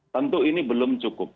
tentu ini belum cukup